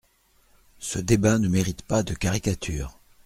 Ce débat ne mérite pas de caricatures.